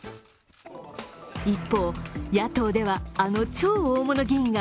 一方、野党ではあの超大物議員が